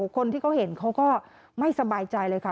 คนที่เขาเห็นเขาก็ไม่สบายใจเลยค่ะ